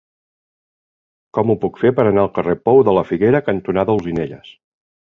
Com ho puc fer per anar al carrer Pou de la Figuera cantonada Olzinelles?